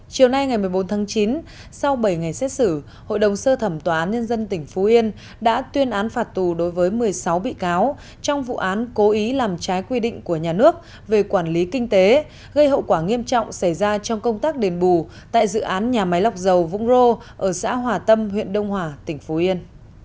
chiều nay ngày một mươi bốn tháng chín sau bảy ngày xét xử hội đồng sơ thẩm tòa án nhân dân tỉnh phú yên đã tuyên án phạt tù đối với một mươi sáu bị cáo trong vụ án cố ý làm trái quy định của nhà nước về quản lý kinh tế gây hậu quả nghiêm trọng xảy ra trong công tác đền bù tại dự án nhà máy lọc dầu vũng rô ở xã hòa tâm huyện đông hòa tỉnh phú yên